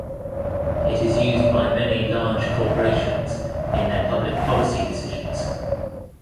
It used by many large corporations in their public policy decisions.